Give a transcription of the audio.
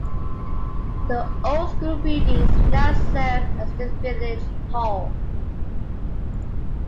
The old school buildings now serve as the Village Hall.